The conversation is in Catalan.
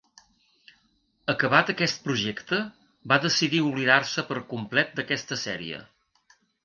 Acabat aquest projecte, va decidir oblidar-se per complet d'aquesta sèrie.